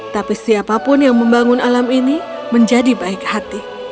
tapi siapapun yang membangun alam ini menjadi baik hati